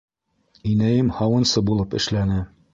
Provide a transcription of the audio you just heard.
Инәйем һауынсы булып эшләне.